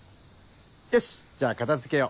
よしじゃあ片付けよう。